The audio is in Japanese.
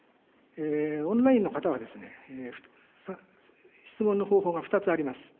オンラインの方は質問の方法が２つあります。